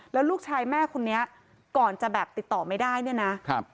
แล้วลูกชายแม่คนนี้ก่อนจะแบบติดต่อไม่ได้เนี่ยนะครับ